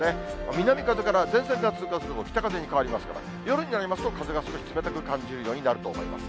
南風から前線が通過すると北風に変わりますから、夜になりますと風が少し冷たく感じるようになると思います。